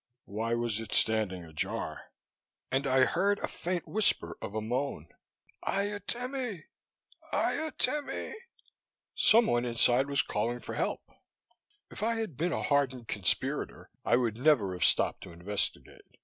Why was it standing ajar? And I heard a faint whisper of a moan: "Aiutemi, aiutemi." Someone inside was calling for help! If I had been a hardened conspirator, I would never have stopped to investigate.